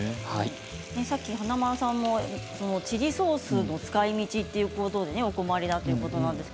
さっき華丸さんもチリソースの使いみちということでお困りだということなんです。